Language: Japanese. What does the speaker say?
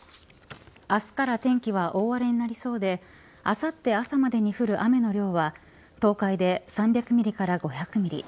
明日から天気は大荒れになりそうであさって朝までに降る雨の量は東海で３００ミリから５００ミリ。